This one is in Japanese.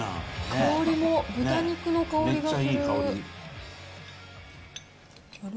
香りも、豚肉の香りがする。